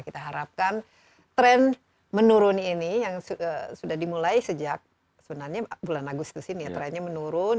kita harapkan tren menurun ini yang sudah dimulai sejak sebenarnya bulan agustus ini ya trennya menurun